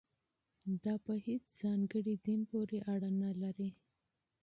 دا په هېڅ ځانګړي دین پورې اړه نه لري.